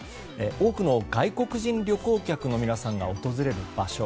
多くの外国人旅行客の皆さんが訪れる場所